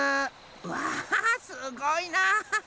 わすごいな！